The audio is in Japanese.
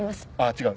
違う。